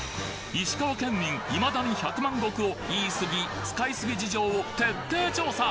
石川県民いまだに百万石を言い過ぎ使い過ぎ事情を徹底調査！